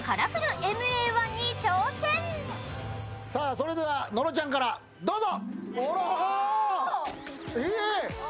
それでは野呂ちゃんからどうぞ！